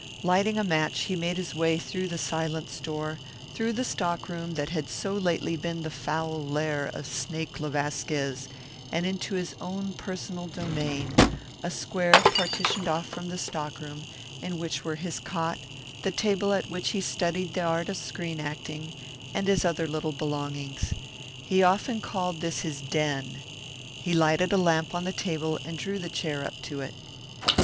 Lighting a match, he made his way through the silent store, through the stock room that had so lately been the foul lair of Snake le Vasquez, and into his own personal domain, a square partitioned off from the stockroom in which were his cot, the table at which he studied the art of screen acting, and his other little belongings. He often called this his den. He lighted a lamp on the table and drew the chair up to it.